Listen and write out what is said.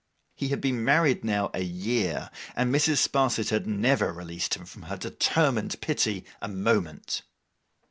He had been married now a year; and Mrs. Sparsit had never released him from her determined pity a moment.